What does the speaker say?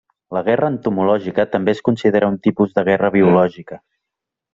La Guerra entomològica també es considera un tipus de guerra biològica.